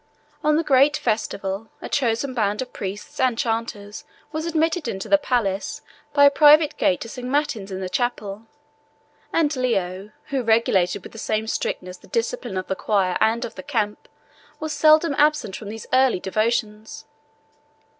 On the great festivals, a chosen band of priests and chanters was admitted into the palace by a private gate to sing matins in the chapel; and Leo, who regulated with the same strictness the discipline of the choir and of the camp, was seldom absent from these early devotions.